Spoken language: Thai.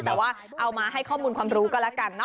แต่ว่าเอามาให้ข้อมูลความรู้ก็แล้วกันเนอ